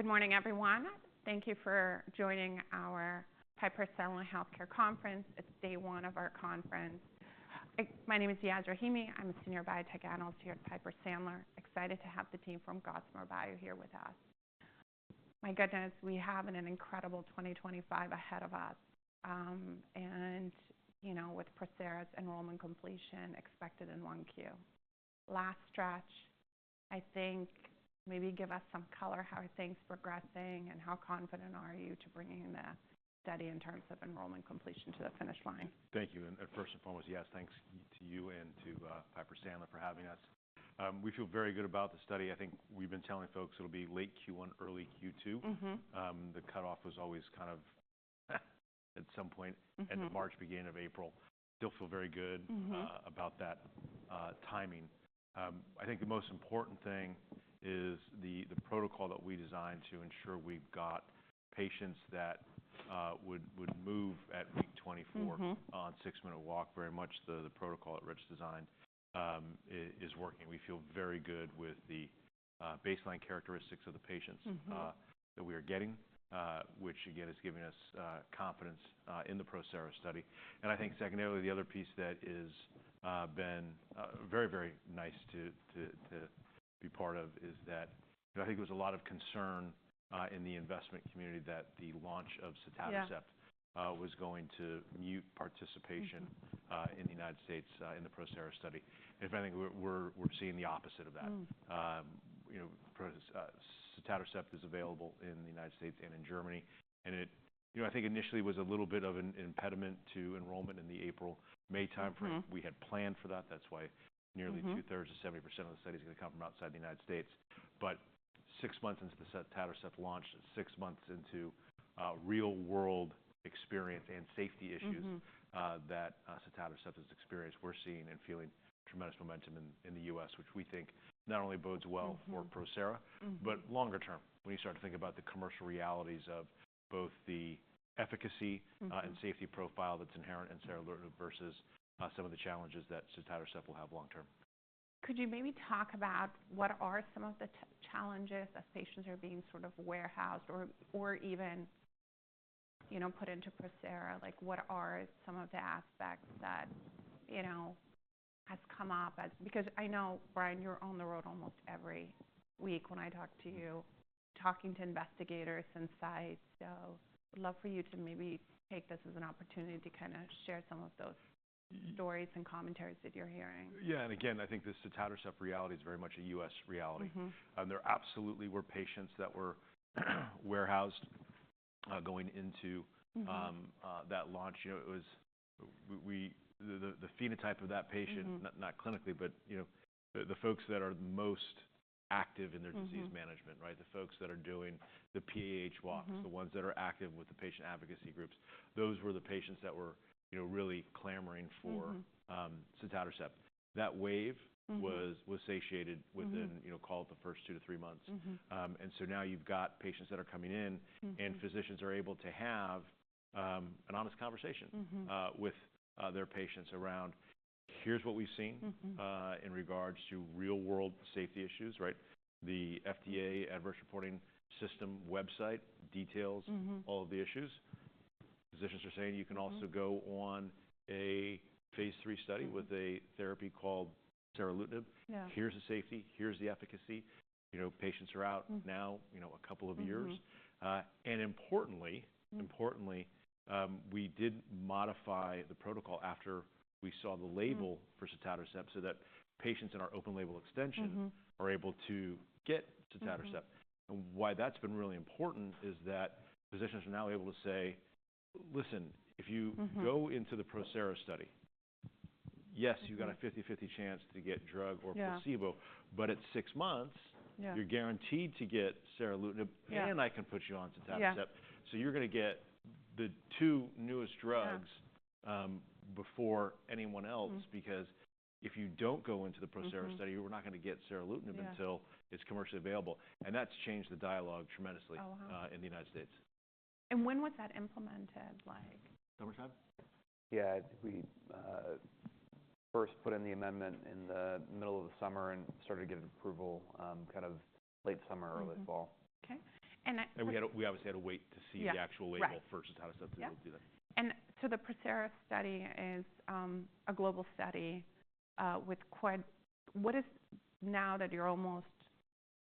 Good morning, everyone. Thank you for joining our Piper Sandler Healthcare Conference. It's day one of our conference. My name is Yasmeen Rahimi. I'm a Senior Biotech Analyst here at Piper Sandler. Excited to have the team from Gossamer Bio here with us. My goodness, we have an incredible 2025 ahead of us, and with PROSERA's enrollment completion expected in Q1. Last stretch, I think maybe give us some color on how things are progressing and how confident are you in bringing the study in terms of enrollment completion to the finish line? Thank you. And first and foremost, yes, thanks to you and to Piper Sandler for having us. We feel very good about the study. I think we've been telling folks it'll be late Q1, early Q2. The cutoff was always kind of at some point end of March, beginning of April. Still feel very good about that timing. I think the most important thing is the protocol that we designed to ensure we've got patients that would move at week 24 on six-minute walk. Very much the protocol that Rich designed is working. We feel very good with the baseline characteristics of the patients that we are getting, which again is giving us confidence in the PROSERA study. And I think secondarily, the other piece that has been very, very nice to be part of is that I think there was a lot of concern in the investment community that the launch of sotatercept was going to mute participation in the United States in the PROSERA study. And I think we're seeing the opposite of that. Sotatercept is available in the United States and in Germany. And I think initially it was a little bit of an impediment to enrollment in the April-May timeframe. We had planned for that. That's why nearly 2/3 to 70% of the studies are going to come from outside the United States. But six months into the sotatercept launch, six months into real-world experience and safety issues that sotatercept has experienced, we're seeing and feeling tremendous momentum in the U.S., which we think not only bodes well for PROSERA, but longer term when you start to think about the commercial realities of both the efficacy and safety profile that's inherent in sotatercept versus some of the challenges that sotatercept will have long term. Could you maybe talk about what are some of the challenges as patients are being sort of warehoused or even put into PROSERA? What are some of the aspects that have come up? Because I know, Bryan, you're on the road almost every week when I talk to you, talking to investigators and sites. So I'd love for you to maybe take this as an opportunity to kind of share some of those stories and commentaries that you're hearing. Yeah. And again, I think this sotatercept reality is very much a U.S. reality. There absolutely were patients that were warehoused going into that launch. The phenotype of that patient, not clinically, but the folks that are most active in their disease management, right? The folks that are doing the PAH walks, the ones that are active with the patient advocacy groups, those were the patients that were really clamoring for sotatercept. That wave was satiated within call it the first two to three months. And so now you've got patients that are coming in and physicians are able to have an honest conversation with their patients around, "Here's what we've seen in regards to real-world safety issues," right? The FDA Adverse Event Reporting System website details all of the issues. Physicians are saying you can also go on a phase III study with a therapy called seralutinib. Here's the safety. Here's the efficacy. Patients are out now a couple of years, and importantly, we did modify the protocol after we saw the label for sotatercept so that patients in our open label extension are able to get sotatercept. And why that's been really important is that physicians are now able to say, "Listen, if you go into the PROSERA study, yes, you've got a 50/50 chance to get drug or placebo, but at six months, you're guaranteed to get seralutinib and I can put you on sotatercept. So you're going to get the two newest drugs before anyone else because if you don't go into the PROSERA study, we're not going to get seralutinib until it's commercially available." And that's changed the dialogue tremendously in the United States. When was that implemented? Summertime? Yeah. We first put in the amendment in the middle of the summer and started getting approval kind of late summer, early fall. Okay. And. And we obviously had to wait to see the actual label for sotatercept to be able to do that. The PROSERA study is a global study with quite what is now that you're almost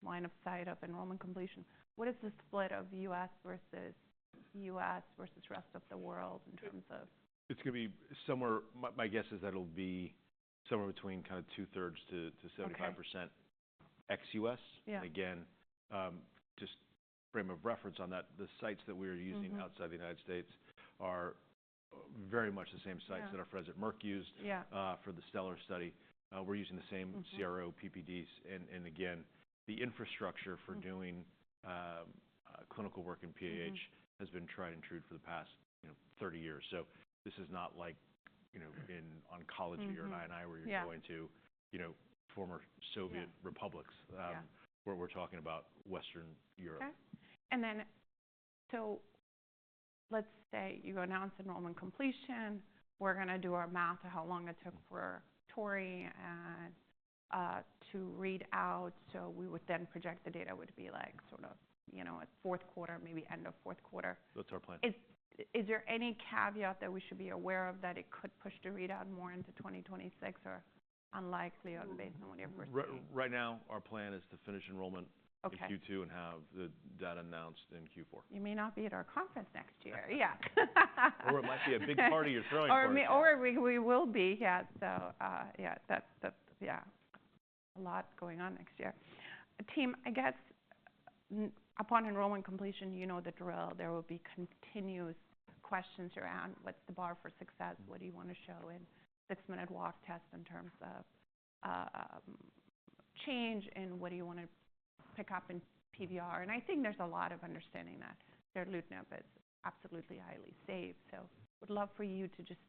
line of sight of enrollment completion. What is the split of U.S. versus rest of the world in terms of. It's going to be somewhere. My guess is that it'll be somewhere between kind of 2/3 to 75% ex-U.S. And again, just frame of reference on that, the sites that we are using outside the United States are very much the same sites that our friends at Merck used for the STELLAR study. We're using the same CRO PPD. And again, the infrastructure for doing clinical work in PAH has been tried and true for the past 30 years. So this is not like in oncology or I&I where you're going to former Soviet republics where we're talking about Western Europe. Okay. And then so let's say you announce enrollment completion. We're going to do our math of how long it took for TORREY to read out. So we would then project the data would be like sort of at fourth quarter, maybe end of fourth quarter. That's our plan. Is there any caveat that we should be aware of that it could push to read out more into 2026 or unlikely based on what you're pushing? Right now, our plan is to finish enrollment in Q2 and have the data announced in Q4. You may not be at our conference next year. Yeah. Or it might be a big party you're throwing for us. Or we will be. Yeah. So yeah, a lot going on next year. Team, I guess upon enrollment completion, you know the drill. There will be continuous questions around what's the bar for success? What do you want to show in six-minute walk test in terms of change and what do you want to pick up in PVR? And I think there's a lot of understanding that seralutinib is absolutely highly safe. So we'd love for you to just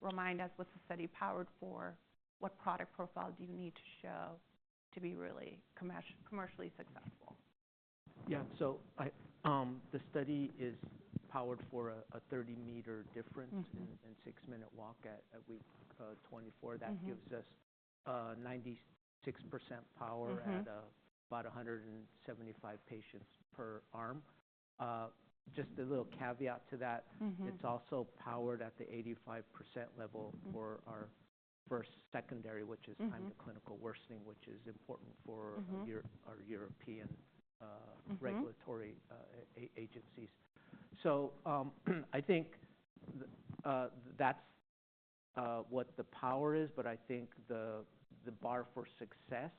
remind us what's the study powered for? What product profile do you need to show to be really commercially successful? Yeah. So the study is powered for a 30-meter difference in six-minute walk at week 24. That gives us 96% power at about 175 patients per arm. Just a little caveat to that. It's also powered at the 85% level for our first secondary, which is time to clinical worsening, which is important for our European regulatory agencies. So I think that's what the power is. But I think the bar for success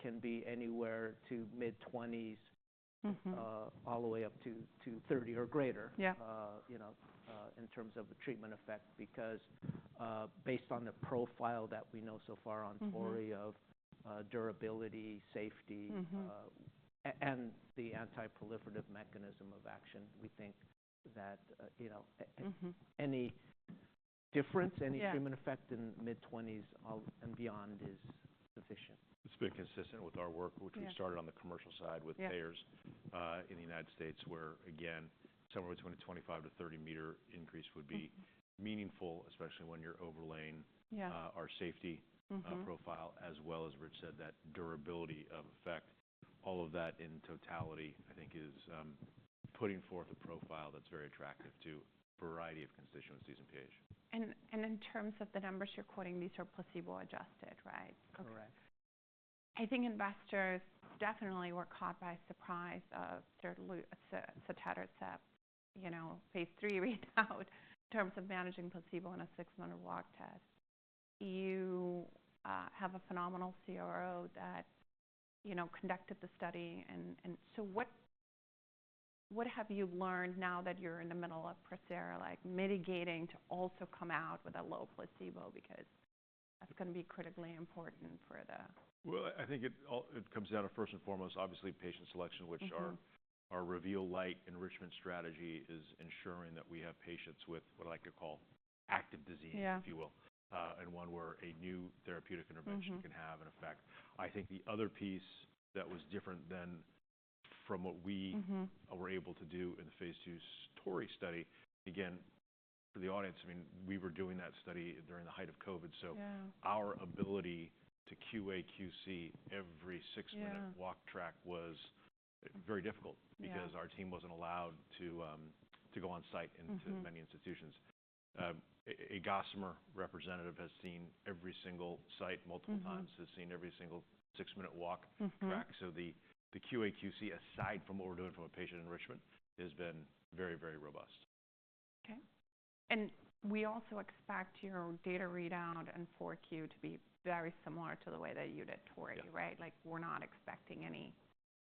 can be anywhere to mid-20s all the way up to 30 or greater in terms of the treatment effect because based on the profile that we know so far on TORREY of durability, safety, and the anti-proliferative mechanism of action, we think that any difference, any treatment effect in mid-20s and beyond is sufficient. It's been consistent with our work, which we started on the commercial side with payers in the United States where, again, somewhere between a 25-30 meters increase would be meaningful, especially when you're overlaying our safety profile, as well as, Rich said, that durability of effect. All of that in totality, I think, is putting forth a profile that's very attractive to a variety of constituencies in PAH. In terms of the numbers you're quoting, these are placebo-adjusted, right? Correct. I think investors definitely were caught by surprise of sotatercept phase III readout in terms of managing placebo in a six-minute walk test. You have a phenomenal CRO that conducted the study. And so what have you learned now that you're in the middle of PROSERA mitigating to also come out with a low placebo? Because that's going to be critically important for the. I think it comes down to first and foremost, obviously, patient selection, which our REVEAL Lite 2 enrichment strategy is ensuring that we have patients with what I like to call active disease, if you will, and one where a new therapeutic intervention can have an effect. I think the other piece that was different than from what we were able to do in the phase II TORREY study, again, for the audience, I mean, we were doing that study during the height of COVID. So our ability to QA/QC every six-minute walk test was very difficult because our team wasn't allowed to go on site into many institutions. A Gossamer representative has seen every single site multiple times, has seen every single six-minute walk test. So the QA/QC, aside from what we're doing from a patient enrichment, has been very, very robust. Okay, and we also expect your data readout in Q4 to be very similar to the way that you did TORREY, right? We're not expecting any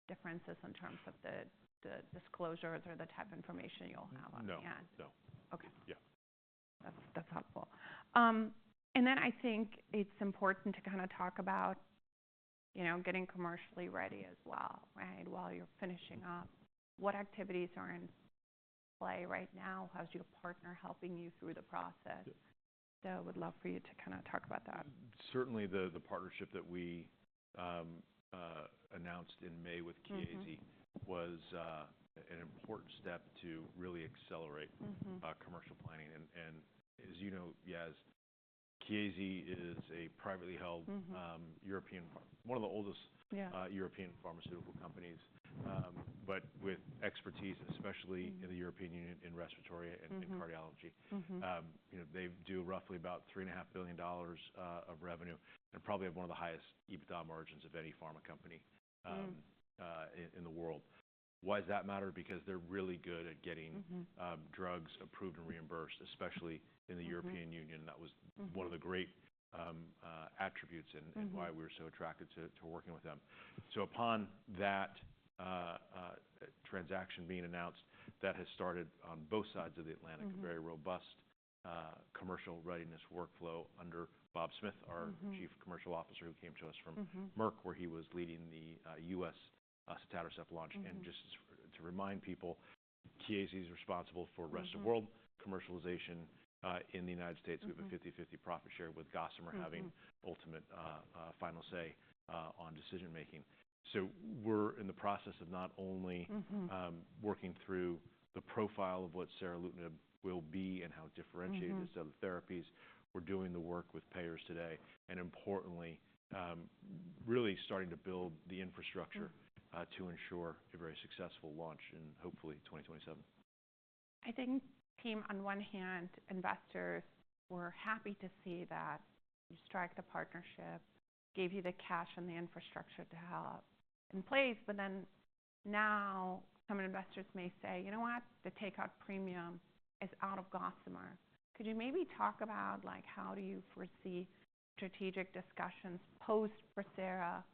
differences in terms of the disclosures or the type of information you'll have on hand. No. No. Okay. That's helpful. And then I think it's important to kind of talk about getting commercially ready as well, right? While you're finishing up, what activities are in play right now? How's your partner helping you through the process? So I would love for you to kind of talk about that. Certainly, the partnership that we announced in May with Chiesi was an important step to really accelerate commercial planning, and as you know, Yaz, Chiesi is a privately held European one of the oldest European pharmaceutical companies, but with expertise, especially in the European Union in respiratory and cardiology. They do roughly about $3.5 billion of revenue and probably have one of the highest EBITDA margins of any pharma company in the world. Why does that matter? Because they're really good at getting drugs approved and reimbursed, especially in the European Union. That was one of the great attributes and why we were so attracted to working with them. Upon that transaction being announced, that has started on both sides of the Atlantic, a very robust commercial readiness workflow under Bob Smith, our Chief Commercial Officer, who came to us from Merck, where he was leading the U.S. sotatercept launch. Just to remind people, Chiesi is responsible for rest of world commercialization in the United States. We have a 50/50 profit share with Gossamer having ultimate final say on decision-making. We're in the process of not only working through the profile of what seralutinib will be and how differentiated it is to other therapies, we're doing the work with payers today. Importantly, really starting to build the infrastructure to ensure a very successful launch in hopefully 2027. I think, team, on one hand, investors were happy to see that you struck the partnership, gave you the cash and the infrastructure to have in place. But then now some investors may say, "You know what? The takeout premium is out of Gossamer." Could you maybe talk about how do you foresee strategic discussions post-PROSERA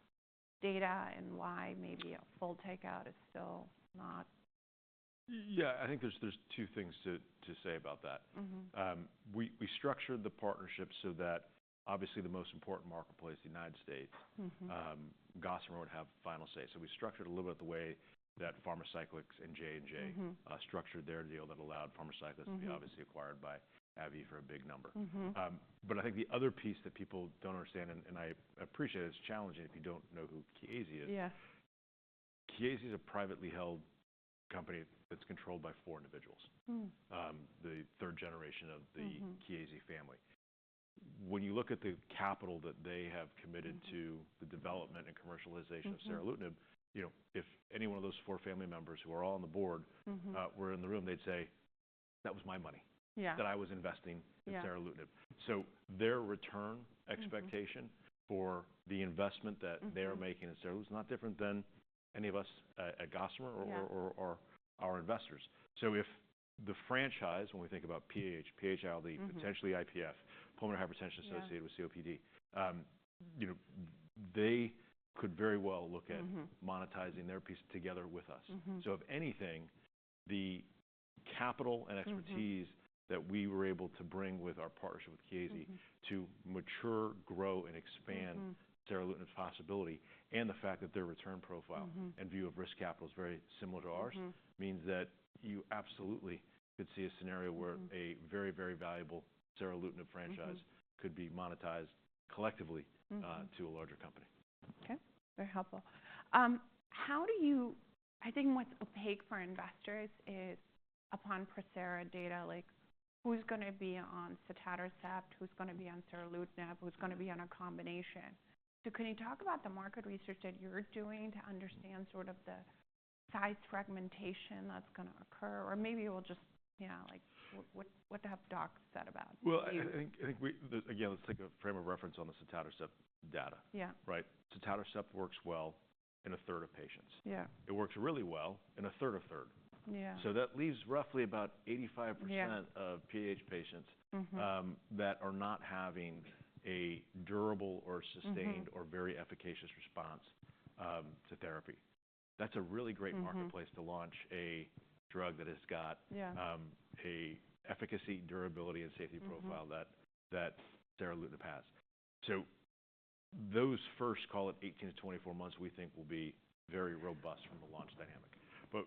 data and why maybe a full takeout is still not? Yeah. I think there are two things to say about that. We structured the partnership so that obviously the most important marketplace, the United States, Gossamer would have final say. So we structured a little bit the way that Pharmacyclics and J&J structured their deal that allowed Pharmacyclics to be obviously acquired by AbbVie for a big number. But I think the other piece that people don't understand, and I appreciate it's challenging if you don't know who Chiesi is, Chiesi is a privately held company that's controlled by four individuals, the third generation of the Chiesi family. When you look at the capital that they have committed to the development and commercialization of seralutinib, if any one of those four family members who are all on the board were in the room, they'd say, "That was my money that I was investing in seralutinib." So their return expectation for the investment that they're making in seralutinib is not different than any of us at Gossamer or our investors. So if the franchise, when we think about PAH, PH-ILD, potentially IPF, Pulmonary Hypertension Associated with COPD, they could very well look at monetizing their piece together with us. So if anything, the capital and expertise that we were able to bring with our partnership with Chiesi to mature, grow, and expand seralutinib's possibility, and the fact that their return profile and view of risk capital is very similar to ours means that you absolutely could see a scenario where a very, very valuable seralutinib franchise could be monetized collectively to a larger company. Okay. Very helpful. I think what's opaque for investors is upon PROSERA data, who's going to be on sotatercept, who's going to be on seralutinib, who's going to be on a combination. So can you talk about the market research that you're doing to understand sort of the size fragmentation that's going to occur? Or maybe we'll just yeah, what have docs said about? I think, again, let's take a frame of reference on the sotatercept data, right? Sotatercept works well in a third of patients. It works really well in a third of third. So that leaves roughly about 85% of PAH patients that are not having a durable or sustained or very efficacious response to therapy. That's a really great marketplace to launch a drug that has got an efficacy, durability, and safety profile that seralutinib has. So those first, call it 18-24 months, we think will be very robust from a launch dynamic. But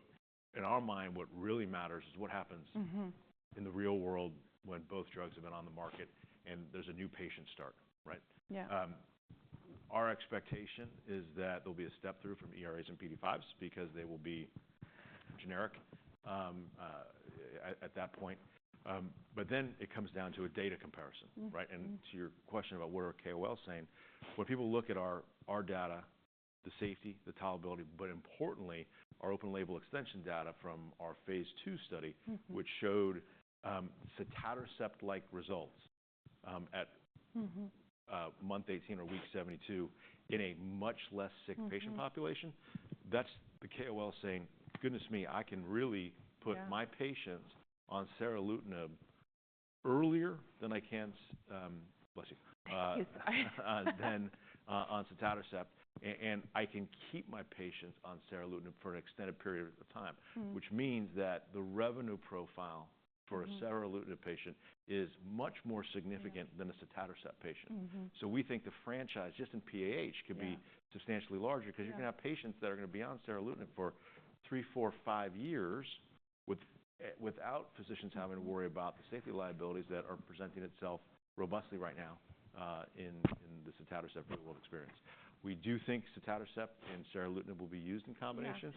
in our mind, what really matters is what happens in the real world when both drugs have been on the market and there's a new patient start, right? Our expectation is that there'll be a step through from ERAs and PDE5s because they will be generic at that point. But then it comes down to a data comparison, right? And to your question about what are KOLs saying, when people look at our data, the safety, the tolerability, but importantly, our open label extension data from our phase II study, which showed sotatercept-like results at month 18 or week 72 in a much less sick patient population, that's the KOL saying, "Goodness me, I can really put my patients on seralutinib earlier than I can with sotatercept. Excuse me. Than on sotatercept. And I can keep my patients on seralutinib for an extended period of time, which means that the revenue profile for a seralutinib patient is much more significant than a sotatercept patient. So we think the franchise just in PAH could be substantially larger because you're going to have patients that are going to be on seralutinib for three, four, five years without physicians having to worry about the safety liabilities that are presenting itself robustly right now in the sotatercept real-world experience. We do think sotatercept and seralutinib will be used in combination.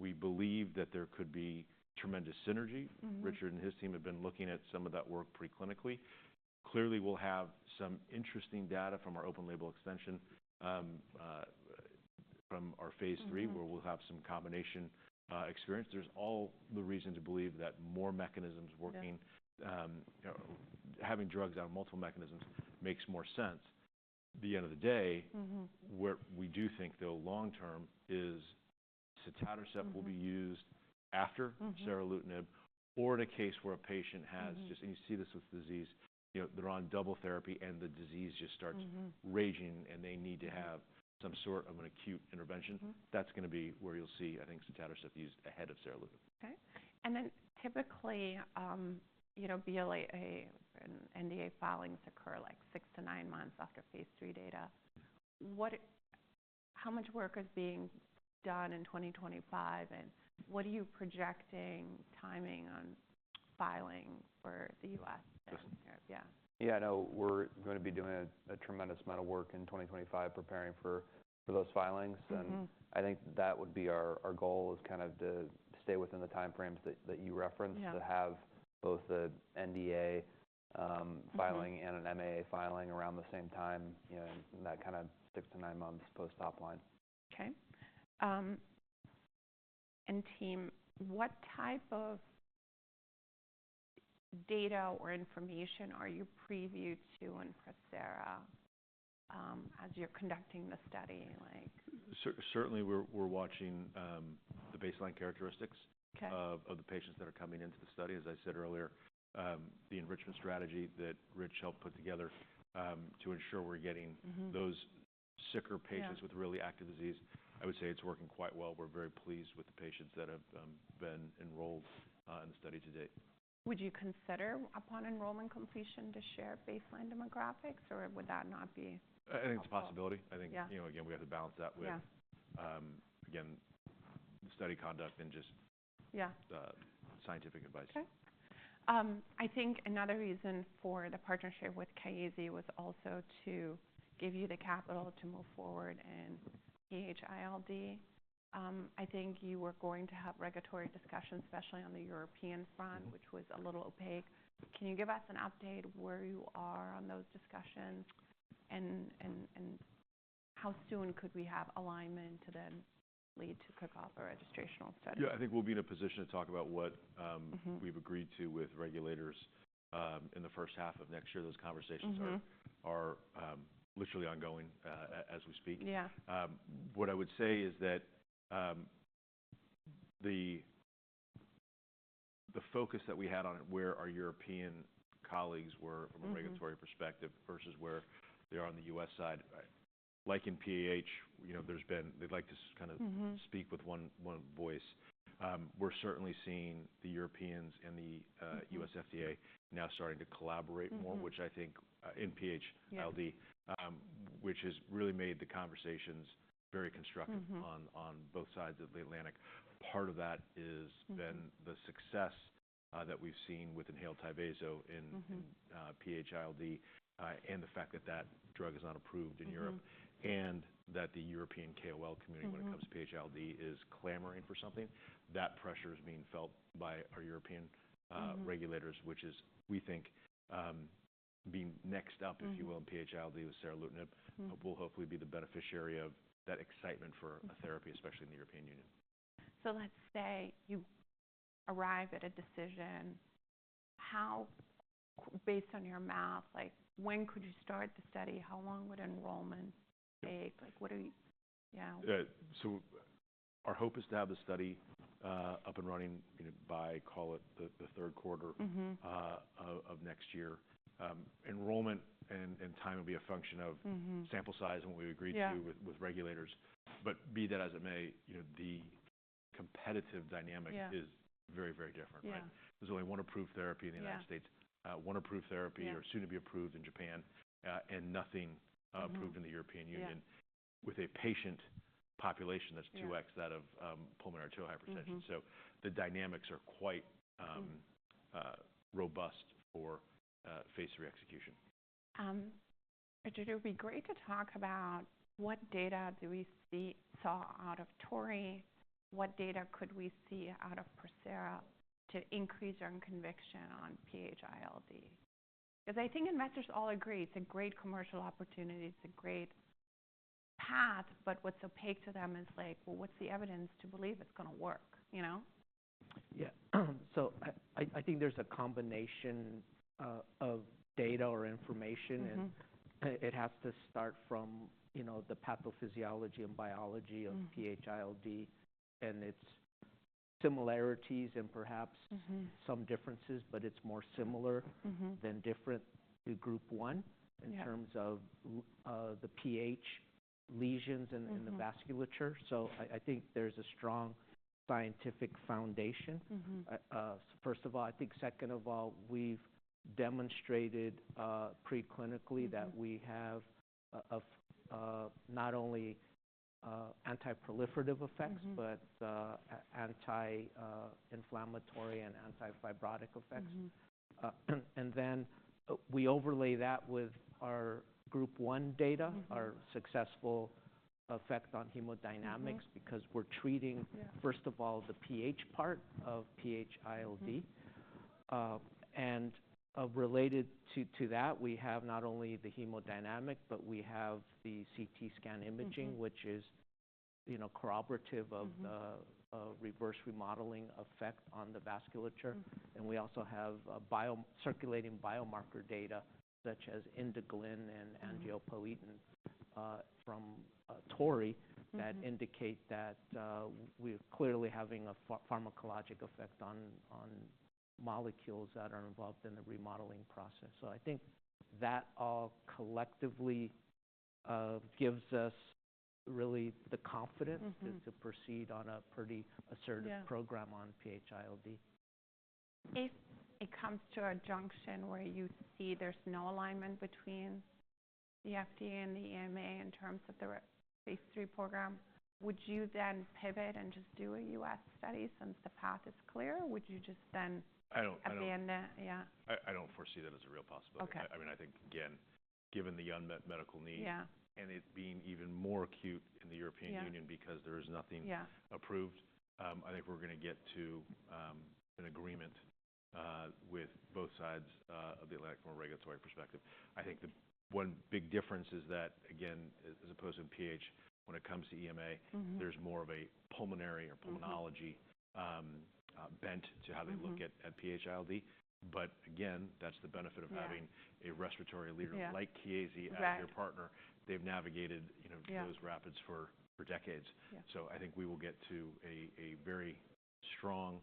We believe that there could be tremendous synergy. Richard and his team have been looking at some of that work preclinically. Clearly, we'll have some interesting data from our open label extension from our phase III where we'll have some combination experience. There's all the reason to believe that more mechanisms working, having drugs on multiple mechanisms makes more sense. At the end of the day, what we do think though long-term is sotatercept will be used after seralutinib or in a case where a patient has just, and you see this with disease, they're on double therapy and the disease just starts raging and they need to have some sort of an acute intervention. That's going to be where you'll see, I think, sotatercept used ahead of seralutinib. Okay, and then typically, BLA and NDA filings occur like 6-9 months after phase III data. How much work is being done in 2025? And what are you projecting timing on filing for the U.S. and Europe? Yeah. Yeah. I know we're going to be doing a tremendous amount of work in 2025 preparing for those filings. And I think that would be our goal is kind of to stay within the time frames that you referenced to have both the NDA filing and an MAA filing around the same time. That kind of 6-9 months post-top line. Okay. And team, what type of data or information are you privy to in PROSERA as you're conducting the study? Certainly, we're watching the baseline characteristics of the patients that are coming into the study. As I said earlier, the enrichment strategy that Rich helped put together to ensure we're getting those sicker patients with really active disease, I would say it's working quite well. We're very pleased with the patients that have been enrolled in the study to date. Would you consider upon enrollment completion to share baseline demographics, or would that not be? I think it's a possibility. I think, again, we have to balance that with, again, the study conduct and just scientific advice. Okay. I think another reason for the partnership with Chiesi was also to give you the capital to move forward in PH-ILD. I think you were going to have regulatory discussions, especially on the European front, which was a little opaque. Can you give us an update where you are on those discussions and how soon could we have alignment to then lead to kickoff a registrational study? Yeah. I think we'll be in a position to talk about what we've agreed to with regulators in the first half of next year. Those conversations are literally ongoing as we speak. What I would say is that the focus that we had on where our European colleagues were from a regulatory perspective versus where they are on the U.S. side, like in PAH, there's been. They'd like to kind of speak with one voice. We're certainly seeing the Europeans and the U.S. FDA now starting to collaborate more, which I think, in PH-ILD, which has really made the conversations very constructive on both sides of the Atlantic. Part of that has been the success that we've seen with inhaled Tyvaso in PH-ILD and the fact that that drug is not approved in Europe and that the European KOL community when it comes to PH-ILD is clamoring for something. That pressure is being felt by our European regulators, which is, we think, being next up, if you will, in PH-ILD with seralutinib, will hopefully be the beneficiary of that excitement for a therapy, especially in the European Union. So let's say you arrive at a decision. Based on your math, when could you start the study? How long would enrollment take? What are you? Yeah. So our hope is to have the study up and running by, call it the third quarter of next year. Enrollment and time will be a function of sample size and what we agreed to with regulators. But be that as it may, the competitive dynamic is very, very different, right? There's only one approved therapy in the United States, one approved therapy or soon to be approved in Japan, and nothing approved in the European Union with a patient population that's 2x that of pulmonary arterial hypertension. So the dynamics are quite robust for phase III execution. Richard, it would be great to talk about what data do we saw out of TORREY, what data could we see out of PROSERA to increase our conviction on PH-ILD? Because I think investors all agree it's a great commercial opportunity, it's a great path, but what's opaque to them is like, "Well, what's the evidence to believe it's going to work? Yeah. So I think there's a combination of data or information, and it has to start from the pathophysiology and biology of PH-ILD and its similarities and perhaps some differences, but it's more similar than different to group one in terms of the PH lesions and the vasculature. So I think there's a strong scientific foundation. First of all, I think second of all, we've demonstrated preclinically that we have not only anti-proliferative effects, but anti-inflammatory and anti-fibrotic effects. And then we overlay that with our group one data, our successful effect on hemodynamics because we're treating, first of all, the PH part of PH-ILD. And related to that, we have not only the hemodynamic, but we have the CT scan imaging, which is corroborative of the reverse remodeling effect on the vasculature. We also have circulating biomarker data such as endoglin and angiopoietin from TORREY that indicate that we're clearly having a pharmacologic effect on molecules that are involved in the remodeling process. I think that all collectively gives us really the confidence to proceed on a pretty assertive program on PH-ILD. If it comes to a junction where you see there's no alignment between the FDA and the EMA in terms of the phase III program, would you then pivot and just do a U.S. study since the path is clear? Would you just then at the end of? I don't foresee that as a real possibility. I mean, I think, again, given the unmet medical need and it being even more acute in the European Union because there is nothing approved, I think we're going to get to an agreement with both sides of the Atlantic from a regulatory perspective. I think the one big difference is that, again, as opposed to PH, when it comes to EMA, there's more of a pulmonary or pulmonology bent to how they look at PH-ILD. But again, that's the benefit of having a respiratory leader like Chiesi as your partner. They've navigated those rapids for decades. So I think we will get to a very strong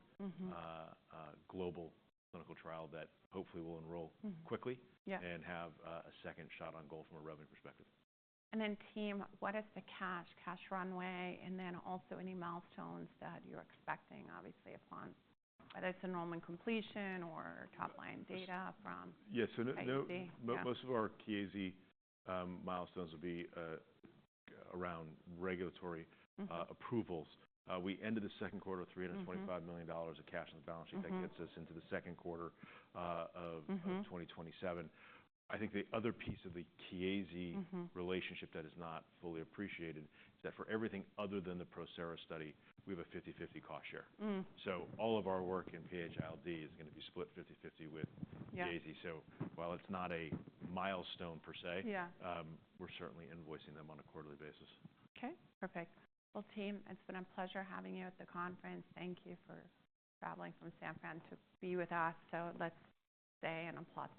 global clinical trial that hopefully will enroll quickly and have a second shot on goal from a revenue perspective. And then team, what is the cash runway, and then also any milestones that you're expecting, obviously, upon whether it's enrollment completion or top line data from FDA? Yeah. So most of our Chiesi milestones will be around regulatory approvals. We ended the second quarter with $325 million of cash on the balance sheet. That gets us into the second quarter of 2027. I think the other piece of the Chiesi relationship that is not fully appreciated is that for everything other than the PROSERA study, we have a 50/50 cost share. So all of our work in PH-ILD is going to be split 50/50 with Chiesi. So while it's not a milestone per se, we're certainly invoicing them on a quarterly basis. Okay. Perfect. Team, it's been a pleasure having you at the conference. Thank you for traveling from San Fran to be with us. Let's stand and applaud.